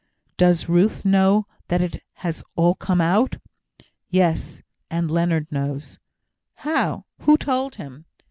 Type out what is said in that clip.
"Does Ruth know that it has all come out?" "Yes. And Leonard knows." "How? Who told him?"